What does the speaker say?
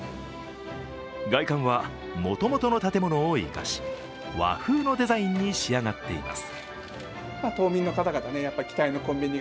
外観は、もともとの建物を生かし、和風のデザインに仕上がっています。